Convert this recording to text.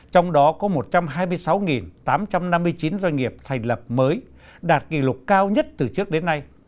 trong đó có một trăm hai mươi sáu tám trăm năm mươi chín doanh nghiệp thành lập mới đạt kỷ lục cao nhất từ trước đến nay